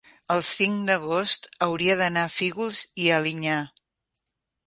el cinc d'agost hauria d'anar a Fígols i Alinyà.